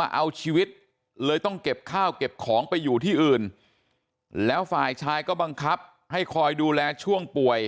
มาเอาชีวิตเลยต้องเก็บข้าวเก็บของไปอยู่ที่อื่นแล้วฝ่ายชายก็บังคับให้คอยดูแลช่วงป่วย